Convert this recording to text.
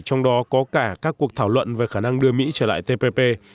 trong đó có cả các cuộc thảo luận về khả năng đưa mỹ trở lại tpp